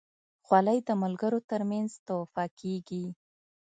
خولۍ د ملګرو ترمنځ تحفه کېږي.